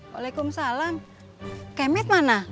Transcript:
waalaikumsalam kayak emet mana